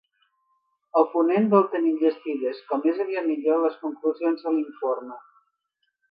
El ponent vol tenir enllestides ‘com més aviat millor’ les conclusions de l’informe.